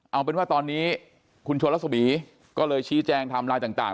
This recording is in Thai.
เอาเป็นว่าตอนนี้คุณชวรสบีก็เลยชี้แจงทำลายต่าง